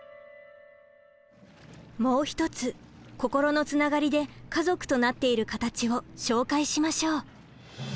もう一つ心のつながりで家族となっているカタチを紹介しましょう。